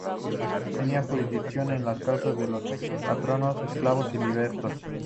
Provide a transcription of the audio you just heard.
Tenía jurisdicción en las causas de los patronos, esclavos y libertos.